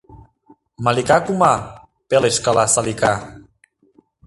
— Малика кума... — пелешткала Салика.